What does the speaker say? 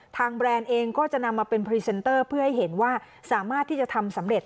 แบรนด์เองก็จะนำมาเป็นพรีเซนเตอร์เพื่อให้เห็นว่าสามารถที่จะทำสำเร็จ